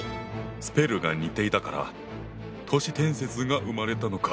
スペルが似ていたから都市伝説が生まれたのか。